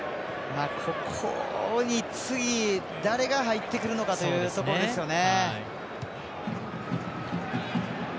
ここに次誰が入ってくるかというところですよね。